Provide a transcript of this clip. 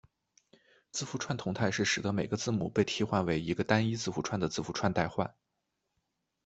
字符串同态是使得每个字母被替代为一个单一字符串的字符串代换。